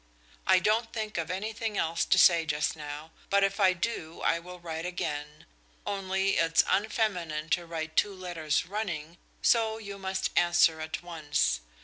"I don't think of anything else to say just now, but if I do I will write again only it's unfeminine to write two letters running, so you must answer at once.